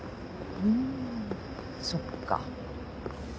ふんそっか。